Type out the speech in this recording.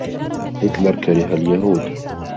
هتلر كره اليهود.